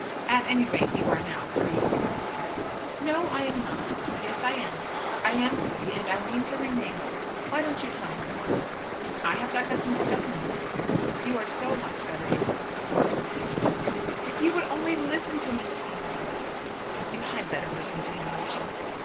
"At any rate you are now free?" he said. "No, I am not. Yes, I am. I am free, and I mean to remain so. Why don't you tell him, father?" "I have got nothing to tell him, my dear. You are so much better able to tell him everything yourself." "If you would only listen to me, Miss O'Mahony." "You had better listen to him, Rachel."